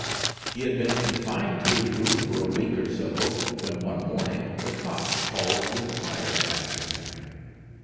He had been confined to his room for a week or so, when one morning Lecoq called to inquire after him.